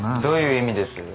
どういう意味です？